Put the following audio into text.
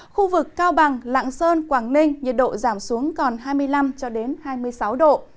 khu vực cao bằng lạng sơn quảng ninh nhiệt độ giảm xuống còn hai mươi năm hai mươi sáu độ